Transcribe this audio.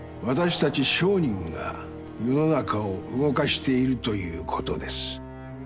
私たち商人が世の中を動かしているということです。